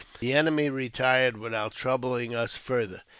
The enemy retired without iroubhng us farther.